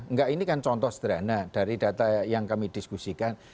enggak ini kan contoh sederhana dari data yang kami diskusikan